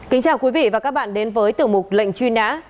kính chào quý vị và các bạn đến với tiểu mục lệnh truy nã